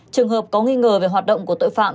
trường hợp có nghi ngờ về hoạt động của tội phạm